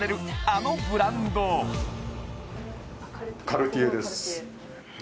あのブランドへえ